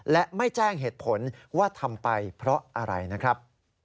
และไม่แจ้งเหตุผลว่าทำไปเพราะอะไรนะครับ